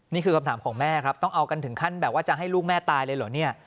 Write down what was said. นี่คือคำถามของแม่ครับต้องเอากันถึงขั้นแบบว่าจะให้ลูกแม่ตายเลยเหรอเนี่ย